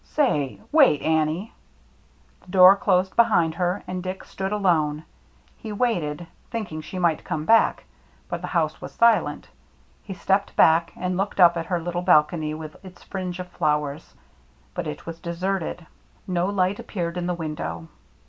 " Say — wait, Annie —" The door closed behind her, and Dick stood alone. He waited, thinking she might come back, but the house was silent. He stepped back and looked up at her little balcony with its fringe of flowers, but it was deserted ; no light appeared in the window.